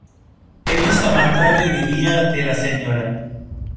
Eliza más tarde diría de la Sra.